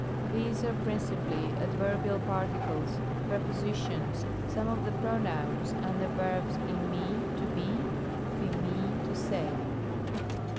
These are principally ad verbial particles, prepositions, some of the pronouns, and the verbs, d/ii^ to be, cpr^/Lci^ to say.